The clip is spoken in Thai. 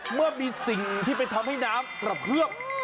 เมื่อมีสิ่งที่ไปทำให้น้ำกระเพื่อม